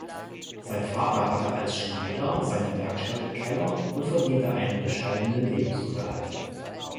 Sein Vater hatte als Schneider seine Werkstatt im Keller und verdiente einen bescheidenen Lebensunterhalt.